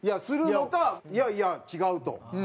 するのかいやいや違うと。